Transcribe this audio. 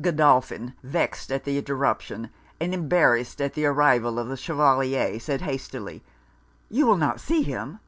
_' Godolphin, vexed at the interruption, and embarrassed at the arrival of the Chevalier, said hastily 'You will not see him?'